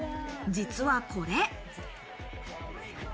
実はこれ。